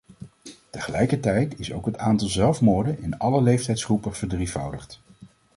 Tegelijkertijd is ook het aantal zelfmoorden in alle leeftijdsgroepen verdrievoudigd.